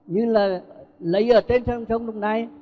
như là lấy ở trên sông lúc này